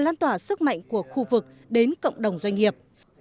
để lăn tỏa sức mạnh của khu vực đến cộng đồng doanh nghiệp